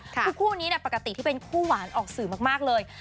คือคู่นี้ปกติที่เป็นคู่หวานออกสื่อมากเลย